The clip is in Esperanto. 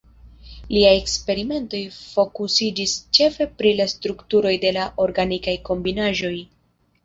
Liaj eksperimentoj fokusiĝis ĉefe pri la strukturoj de la organikaj kombinaĵoj.